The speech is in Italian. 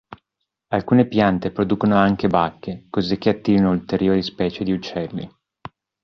Alcune piante producono anche bacche, cosicché attirano ulteriori specie di uccelli.